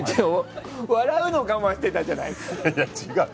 笑うのを我慢してたじゃないですか！